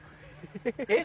えっ。